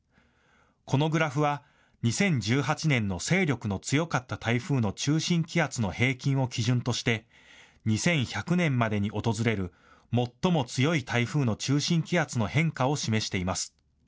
このグラフは２０１８年の勢力の強かった台風の中心気圧の平均を基準として２１００年までに訪れる最も強い台風の中心気圧の変化を示しています。